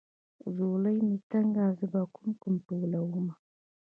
ځولۍ مې تنګه زه به کوم کوم ټولومه.